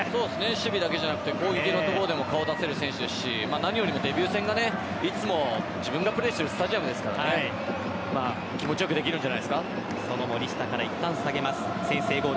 守備だけじゃなくて攻撃のところでも顔を出せる選手だしデビュー戦がいつも自分がプレーしているスタジアムですから気持ちよくできるんじゃないですか。